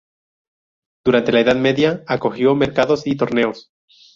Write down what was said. Durante la Edad Media acogió mercados y torneos.